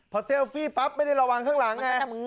พอเซลฟี่ปั๊บไม่ได้ระวังข้างหลังไง